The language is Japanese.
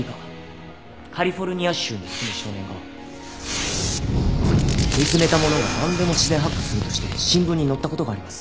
カリフォルニア州に住む少年が見つめたものがなんでも自然発火するとして新聞に載った事があります。